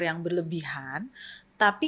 yang berlebihan tapi